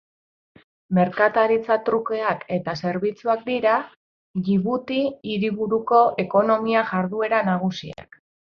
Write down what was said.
Merkataritza trukeak eta zerbitzuak dira Djibuti hiriburuko ekonomia jarduera nagusiak.